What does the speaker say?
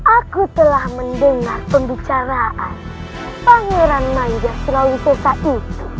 aku telah mendengar pembicaraan pangeran manja selalu sesa itu